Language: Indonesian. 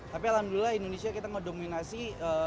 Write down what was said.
tapi alhamdulillah indonesia kita mendominasi